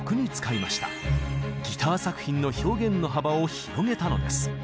ギター作品の表現の幅を広げたのです。